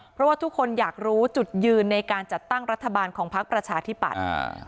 เพราะว่าทุกคนอยากรู้จุดยืนในการจัดตั้งรัฐบาลของพักประชาธิปัตย์